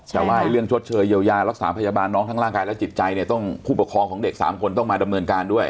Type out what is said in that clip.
แต่ว่าเรื่องชดเชยเยียวยารักษาพยาบาลน้องทั้งร่างกายและจิตใจเนี่ยต้องผู้ปกครองของเด็ก๓คนต้องมาดำเนินการด้วย